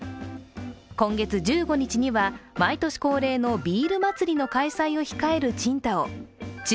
今月１５日には毎年恒例のビール祭りの開催を控える青島。